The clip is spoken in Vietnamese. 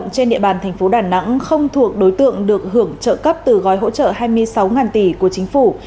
cũng không thuộc đối tượng được hưởng trợ cấp từ gói hỗ trợ hai mươi sáu tỷ của chính phủ